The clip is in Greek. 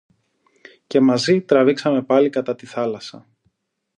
Και μαζί τραβήξαμε πάλι κατά τη θάλασσα